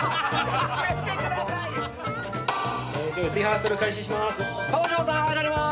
・リハーサル開始します。